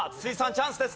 チャンスです。